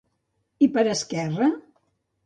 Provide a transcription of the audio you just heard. I per a Esquerra?